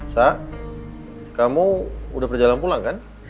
sak kamu udah berjalan pulang kan